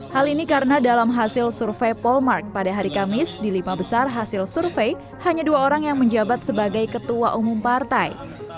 hal ini karena dalam hasil survei polmark pada hari kamis di lima besar hasil survei hanya dua orang yang menjabat sebagai ketua umum partai